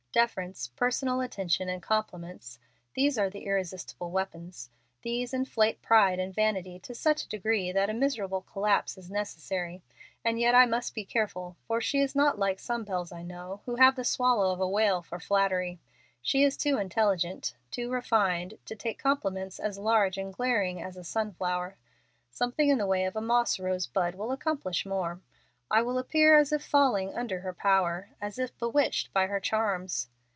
Deference, personal attention, and compliments these are the irresistible weapons. These inflate pride and vanity to such a degree that a miserable collapse is necessary. And yet I must be careful, for she is not like some belles I know, who have the swallow of a whale for flattery. She is too intelligent, too refined, to take compliments as large and glaring as a sunflower. Something in the way of a moss rose bud will accomplish more. I will appear as if falling under her power; as if bewitched by her charms.